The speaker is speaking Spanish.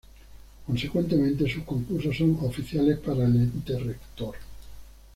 Consecuentemente, sus concursos son oficiales para el ente rector.